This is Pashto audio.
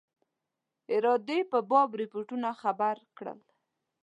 ارادې په باب رپوټونو خبر کړل.